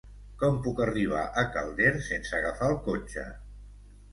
Com puc arribar a Calders sense agafar el cotxe?